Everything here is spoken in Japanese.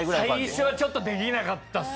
最初ちょっとできなかったです。